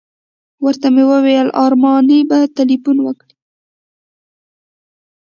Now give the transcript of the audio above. ورته ومې ویل ارماني به تیلفون وکړي.